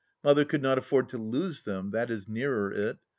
Mother could not afford to lose them, that is nearer it.